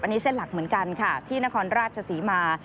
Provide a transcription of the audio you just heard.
อันนี้เส้นหลักเหมือนกันค่ะที่นครราชศรีมา